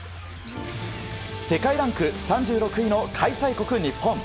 世界ランク３６位の開催国日本。